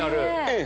ええ。